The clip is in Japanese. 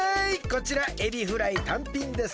こちらエビフライたんぴんです。